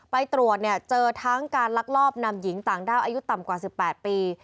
ไปตรวจเนี่ยเจอทั้งการลักลอบนำหญิงต่างด้าวอายุต่ำกว่า๑๘ปี